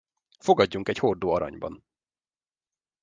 Fogadjunk egy hordó aranyban.